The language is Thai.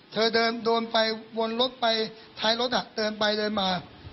เธอเดินไปวนรถไปท้ายรถเดินไปเดินมา